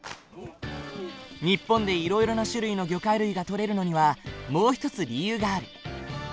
日本でいろいろな種類の魚介類が取れるのにはもう一つ理由がある。